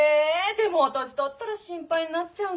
でも私だったら心配になっちゃうな。